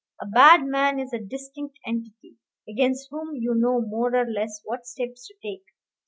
A bad man is a distinct entity, against whom you know more or less what steps to take.